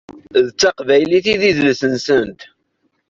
D taqbaylit i d idles-nsent.